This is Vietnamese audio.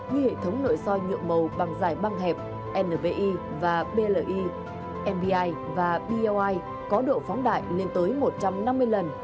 với hệ thống nội soi nhựa màu bằng dài băng hẹp nvi và pli nbi và pli có độ phóng đại lên tới một trăm năm mươi lần